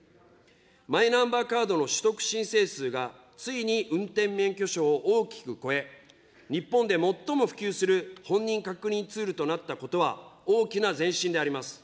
マイナンバーカードの取得申請数がついに運転免許証を大きく超え、日本で最も普及する本人確認ツールとなったことは、大きな前進であります。